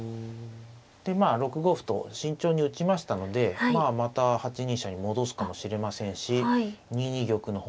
でまあ６五歩と慎重に打ちましたのでまあまた８二飛車に戻すかもしれませんし。